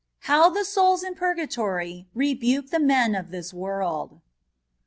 HOW THE SOULS IN PUROATORY BEBUKE THE MEN OF THIS WO&LD.